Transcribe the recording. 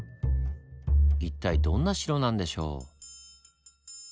一体どんな城なんでしょう？